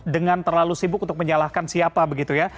dengan terlalu sibuk untuk menyalahkan siapa begitu ya